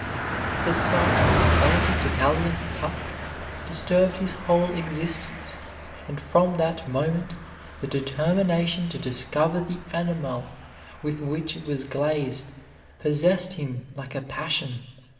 The sight of an elegant Italian cup disturbed his whole existence and from that moment the determination to discover the enamel with which it was glazed possessed him like a passion.